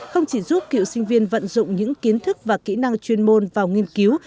không chỉ giúp cựu sinh viên vận dụng những kiến thức và kỹ năng chuyên môn vào nghiên cứu